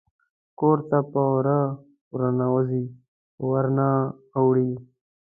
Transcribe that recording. کور ته په وره ورننوزي په ور نه اوړي